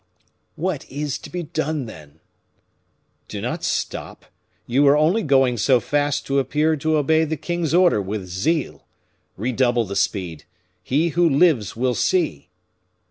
"What is to be done, then?" "Do not stop; you were only going so fast to appear to obey the king's order with zeal. Redouble the speed. He who lives will see!"